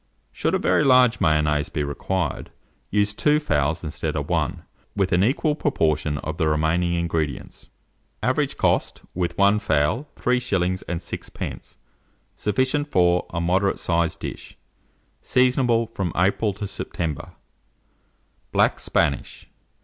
Should a very large Mayonnaise be required, use 2 fowls instead of 1, with an equal proportion of the remaining ingredients. Average cost, with one fowl, 3s. 6d. Sufficient for a moderate sized dish. Seasonable from April to September. [Illustration: BLACK SPANISH.